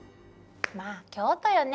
まぁ京都よね。